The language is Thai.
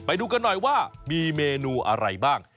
ไปดูกันหน่อยว่ามีเมนูอะไรบ้าง